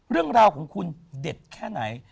เรื่องราวของคุณเด็ดแค่ไหน